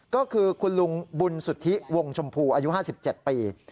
ก็คือคุณลุงบุญสุทธิวงชมพูอายุ๕๗ปี